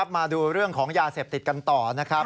มาดูเรื่องของยาเสพติดกันต่อนะครับ